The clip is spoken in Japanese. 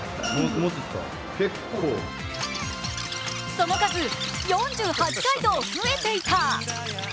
その数４８回と増えていた！